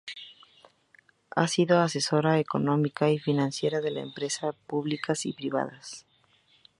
Ha sido asesora económica y financiera de empresas públicas y privadas.